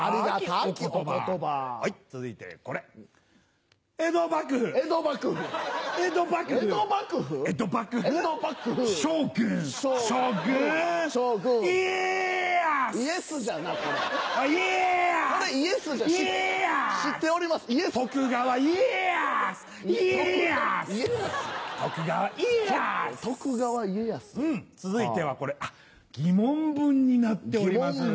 うん続いてはこれあっ疑問文になっておりまするの。